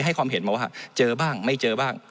ความเห็นมาว่าเจอบ้างไม่เจอบ้าง